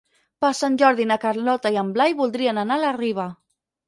Per Sant Jordi na Carlota i en Blai voldrien anar a la Riba.